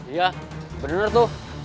iya benar tuh